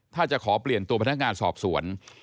ถ้าจะขอเปลี่ยนตัวพนักงานสอบสวน